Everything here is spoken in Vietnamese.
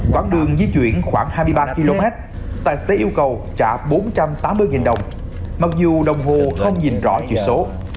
quảng đường di chuyển khoảng hai mươi ba km tài xế yêu cầu trả bốn trăm tám mươi đồng mặc dù đồng hồ không nhìn rõ chữ số